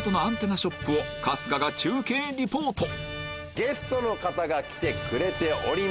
ゲストの方が来てくれております。